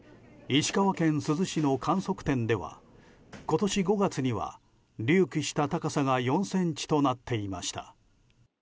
石川県珠洲市の観測点では今年５月には隆起した高さが４ｃｍとなっていました。